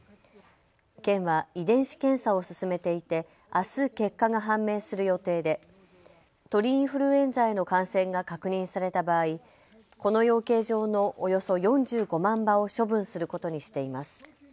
県は遺伝子検査を進めていてあす結果が判明する予定で鳥インフルエンザへの感染が確認された場合、この養鶏場のおよそ４５万羽を処分することにしています。